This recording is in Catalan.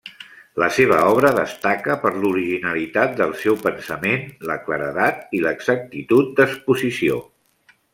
La seva obra destaca per l'originalitat del seu pensament, la claredat i l'exactitud d'exposició.